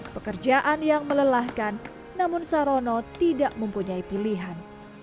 pekerjaan yang melelahkan namun sarono tidak mempunyai pilihan